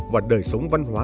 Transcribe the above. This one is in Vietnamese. và đời sống văn hóa